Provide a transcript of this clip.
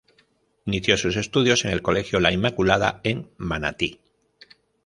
Inició sus estudios en el Colegio La Inmaculada en Manatí.